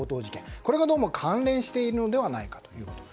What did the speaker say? これがどうも関連しているのではないかということです。